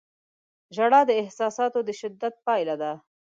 • ژړا د احساساتو د شدت پایله ده.